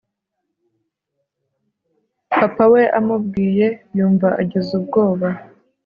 papa we amubwiye yumva agize ubwoba